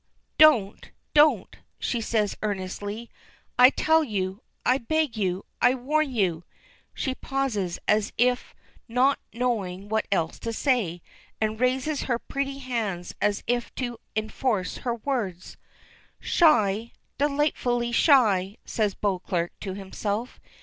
Don't, don't!" she says earnestly. "I tell you I beg you I warn you " She pauses, as if not knowing what else to say, and raises her pretty hands as if to enforce her words. "Shy, delightfully shy!" says Beauclerk to himself.